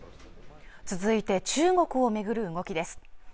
続いて中国を巡る動きです